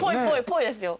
ぽいですよ。